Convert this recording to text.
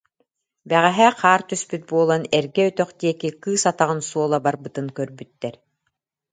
Бэҕэһээ хаар түспүт буолан, эргэ өтөх диэки кыыс атаҕын суола барбытын кірбүттэр